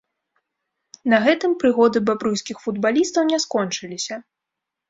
На гэтым прыгоды бабруйскіх футбалістаў не скончыліся.